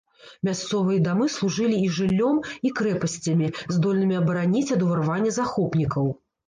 Мясцовыя дамы служылі і жыллём, і крэпасцямі, здольнымі абараніць ад уварвання захопнікаў.